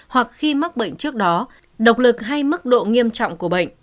hoặc khi mắc bệnh trước đó độc lực hay mức độ nghiêm trọng của bệnh